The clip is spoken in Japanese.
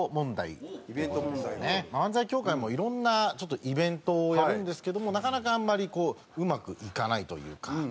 漫才協会もいろんなイベントをやるんですけどもなかなかあんまりこううまくいかないというか。